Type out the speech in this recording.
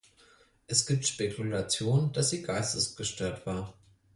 Es gibt Spekulationen, dass sie geistesgestört war.